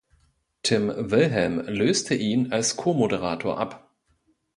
Tim Wilhelm löste ihn als Co-Moderator ab.